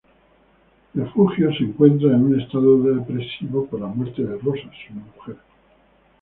Refugio se encuentra en un estado depresivo por la muerte de Rosa, su mujer.